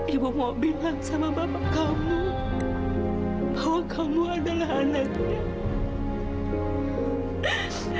ibu mau bilang sama bapak kamu bahwa kamu adalah anaknya